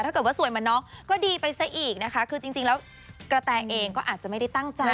ถ้าเกิดว่าสวยเหมือนน้องก็ดีไปซะอีกนะคะคือจริงแล้วกระแตเองก็อาจจะไม่ได้ตั้งใจ